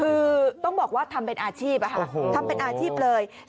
คือต้องบอกว่าทำเป็นอาชีพทำเป็นอาชีพเลย